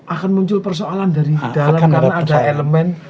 akan muncul persoalan dari dalam karena ada elemen